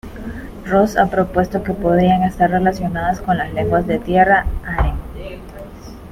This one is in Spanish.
Ross ha propuesto que podrían estar relacionadas con las lenguas de Tierra de Arnhem.